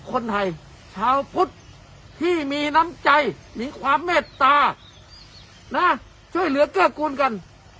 คนไทยชาวพุทธที่มีน้ำใจมีความเมตตานะช่วยเหลือเกื้อกูลกัน